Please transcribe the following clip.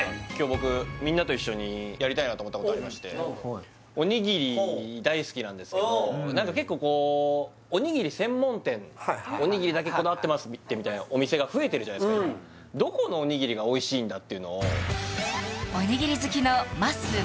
僕みんなと一緒にやりたいなと思ったことがありまして何か結構こうおにぎり専門店おにぎりだけこだわってるお店が増えてるじゃないですかどこのおにぎりがおいしいんだっていうのをおにぎり好きのまっすー